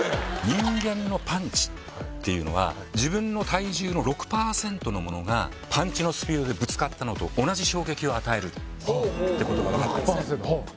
人間のパンチっていうのは自分の体重の６％のものがパンチのスピードでぶつかったのと同じ衝撃を与えるほうほうほうてことが分かってるんです